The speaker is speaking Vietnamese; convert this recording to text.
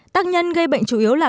tác nhân gây bệnh chủ yếu là